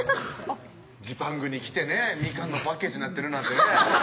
ジパングに来てねみかんのパッケージなってるなんてね